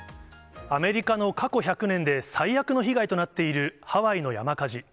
アメリカの過去１００年で最悪の被害となっているハワイの山火事。